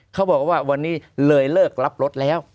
เขาบอกว่าวันนี้เลยเลิกรับรถแล้ว